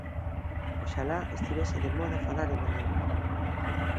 Oxalá estivese de moda falar en galego.